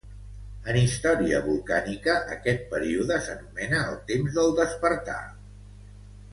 En història volcànica, aquest període s'anomena "el temps del despertar".